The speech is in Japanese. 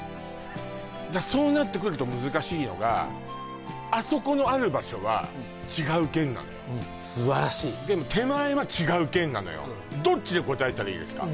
そうなってくると難しいのがあそこのある場所は違う県なのよ素晴らしいでも手前は違う県なのよどっちで答えたらいいですか？